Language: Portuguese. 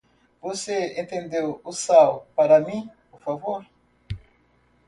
Você estendeu o sal para mim, por favor?